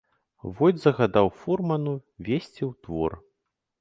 Войт загадаў фурману везці ў двор.